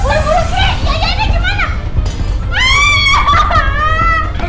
keluar keluar keluar